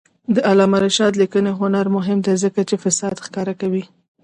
د علامه رشاد لیکنی هنر مهم دی ځکه چې فساد ښکاره کوي.